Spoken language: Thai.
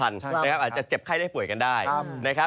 อาจจะเจ็บไข้ได้ป่วยกันได้